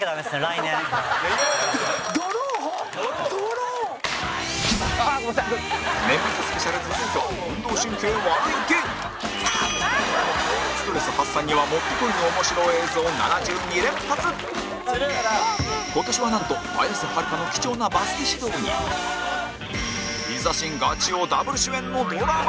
年末スペシャル、続いてはストレス発散には持ってこいの面白映像、７２連発今年は、なんと綾瀬はるかの貴重なバスケ指導にヒザ神、ガチ王Ｗ主演のドラマも！